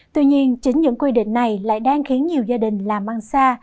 tuy nhiên chính những quy định này lại đang khiến nhiều gia đình làm ăn xa